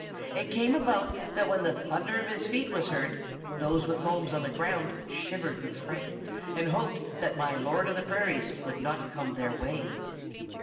It came about that when the thunder of his feet was heard, those with homes on the ground shivered with fright and hoped that my Lord of the Prairies would not come their way.